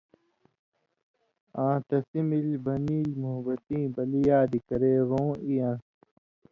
آں تَسی مِلیۡ بَنِیلیۡ مُوحبَتِں بَلی یادِی کَرے رُوں اِی یان٘س،